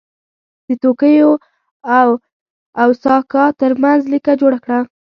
د توکیو او اوساکا ترمنځ لیکه جوړه کړه.